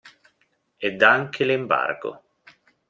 Ed anche l'embargo.